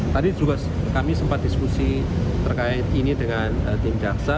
tadi juga kami sempat diskusi terkait ini dengan tim jaksa